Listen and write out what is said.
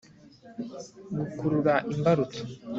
gukurura imbarutso